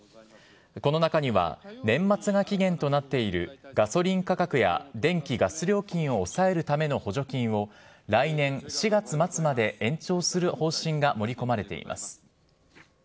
この中には、年末が期限となっているガソリン価格や電気・ガス料金を抑えるための補助金を来年４月末まで延長する方針が盛り込まれています。